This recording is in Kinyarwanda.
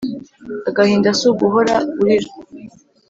Agahinda si uguhora urira.